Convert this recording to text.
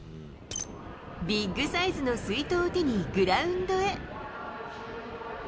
ビッグサイズの水筒を手に、グラウンドへ。